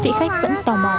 vị khách vẫn tò mò